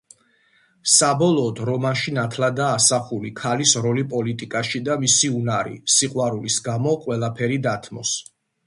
საბოლოოდ, რომანში ნათლადაა ასახული ქალის როლი პოლიტიკაში და მისი უნარი, სიყვარულის გამო ყველაფერი დათმოს.